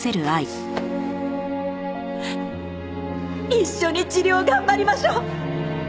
一緒に治療頑張りましょう！